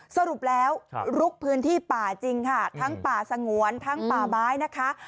สรุปแล้วลุกพื้นที่ป่าจริงค่ะทั้งป่าสงวนทั้งป่าไม้นะคะ